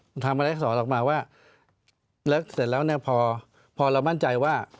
มันทำอะไรอักษรออกมาว่าแล้วเสร็จแล้วเนี่ยพอเรามั่นใจว่า